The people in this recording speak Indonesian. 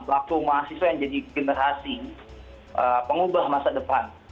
pelaku mahasiswa yang jadi generasi pengubah masa depan